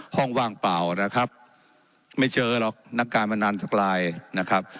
ว่างเปล่านะครับไม่เจอหรอกนักการพนันสักลายนะครับ